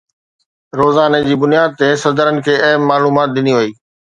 روزاني جي بنياد تي صدرن کي اهم معلومات ڏني وئي